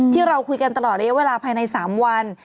ที่เราคุยกันตลอดระยะเวลาภายใน๓วัน